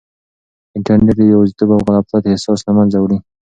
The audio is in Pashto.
انټرنیټ د یوازیتوب او غفلت احساس له منځه وړي.